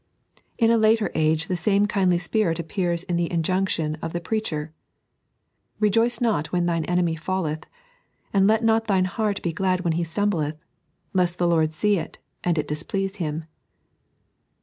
In a later age the same kindly spirit appears in the injunction of the preacher :" Bejoice not when thine enemy falleth, and let not thine heart be glad when he stumbleth, lest the Lord see it, and it displease Him."